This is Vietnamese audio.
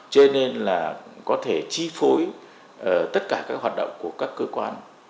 cho nên là có thể chi phối tất cả các hoạt động của các cơ quan